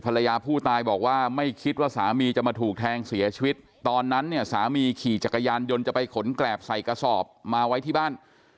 ภรรยาผู้ตายบอกว่าไม่คิดว่าสามีจะมาถูกแทงเสียชีวิตตอนนั้นเนี่ยสามีขี่จักรยานยนต์จะไปขนแกรบใส่กระสอบมาไว้ที่บ้าน